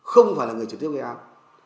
không phải là người trực tiếp gây án